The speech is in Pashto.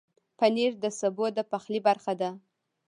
پنېر د سبو د پخلي برخه ده.